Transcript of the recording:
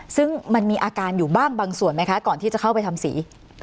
ซึ่งมันมีอาการอยู่บ้างบางส่วนไหมคะก่อนที่จะเข้าไปทำสี